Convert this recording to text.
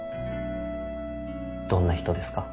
どんな人ですか？